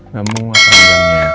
gak muat jamnya